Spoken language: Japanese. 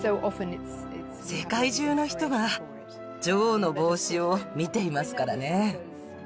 世界中の人が女王の帽子を見ていますからね。